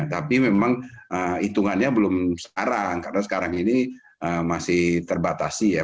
tapi memang hitungannya belum sekarang karena sekarang ini masih terbatasi ya